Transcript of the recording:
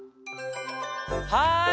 はい！